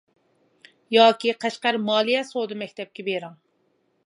ياكى قەشقەر مالىيە سودا مەكتەپكە بېرىڭ.